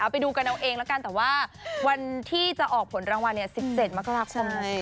ไปดูกันเอาเองแล้วกันแต่ว่าวันที่จะออกผลรางวัล๑๗มกราคมนี้